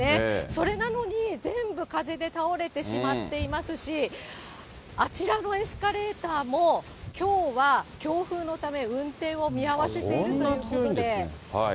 それなのに全部、風で倒れてしまっていますし、あちらのエスカレーターも、きょうは強風のため運転を見合わせているということで。